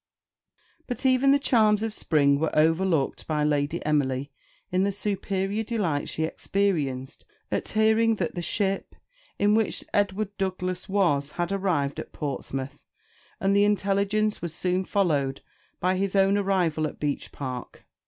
BUT even the charms of spring were overlooked by Lady Emily in the superior delight she experienced at hearing that the ship in which Edward Douglas was had arrived at Portsmouth; and the intelligence was soon followed by his own arrival at Beech Park.